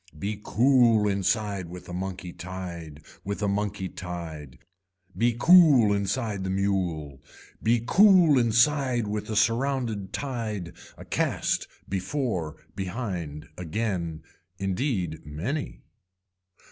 Be cool inside with a monkey tied, with a monkey tied. Be cool inside the mule. Be cool inside with a surrounded tied, a cast, before, behind again, indeed, many.